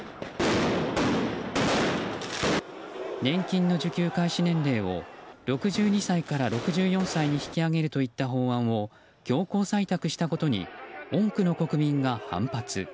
年金の受給開始年齢を６２歳から６４歳に引き上げるといった法案を強行採択したことに多くの国民が反発。